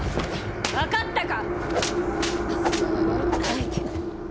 分かったか！